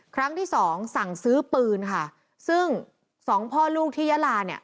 ครั้งที่สองสั่งซื้อปืนค่ะซึ่งสองพ่อลูกที่ยาลาเนี่ย